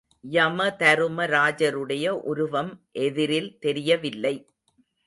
யமதருமராஜருடைய உருவம் எதிரில் தெரியவில்லை.